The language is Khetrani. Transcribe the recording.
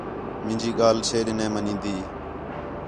مینجی ڳَل چھے ݙے نہیں منین٘دی